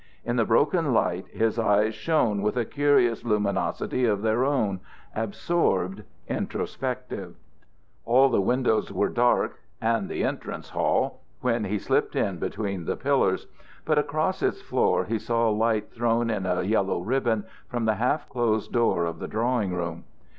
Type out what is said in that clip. In the broken light his eyes shone with a curious luminosity of their own, absorbed, introspective. All the windows were dark, and the entrance hall, when he slipped in between the pillars, but across its floor he saw light thrown in a yellow ribbon from the half closed door of the drawing room.